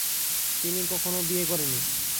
তিনি কখনও বিয়ে করেনি।